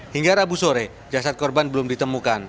hingga rabu sore jasad korban belum ditemukan